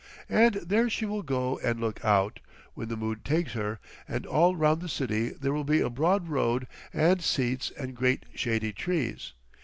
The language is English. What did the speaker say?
And there she will go and look out, when the mood takes her, and all round the city there will be a broad road and seats and great shady trees.